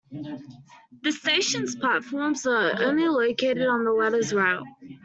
The station's platforms are only located on the latter route.